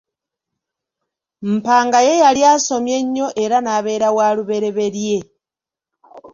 Mpanga ye yali asomye nnyo era n'abeera walubereberye.